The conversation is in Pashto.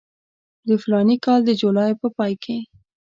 د فلاني کال د جولای په پای کې.